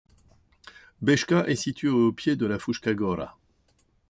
Beška est située au pied de la Fruška gora.